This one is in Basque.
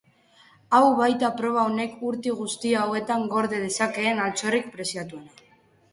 Hau baita proba honek urte guzti hauetan gorde dezakeen altxorrik preziatuena.